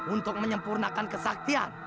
untuk menyempurnakan kesaktian